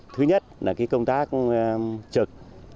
thứ nhất là công tác trực